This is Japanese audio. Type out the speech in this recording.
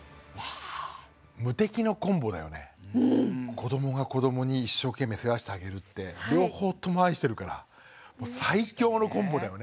子どもが子どもに一生懸命世話してあげるって両方とも愛してるから最強のコンボだよね。